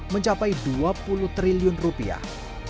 mencapai dua puluh triliun rupiah